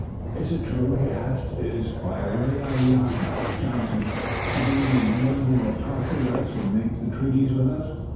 "Is it true?" he asked. "Is Waraiyageh (Johnson) to be the one who will talk with us and make the treaties with us?"